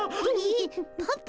えっ？